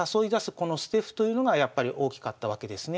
この捨て歩というのがやっぱり大きかったわけですね。